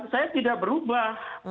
saya tidak berubah